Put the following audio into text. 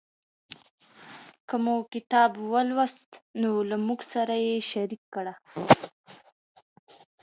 که مو کتاب ولوست نو له موږ سره یې شریک کړئ.